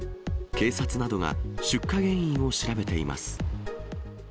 警察などが出火原因を調べています。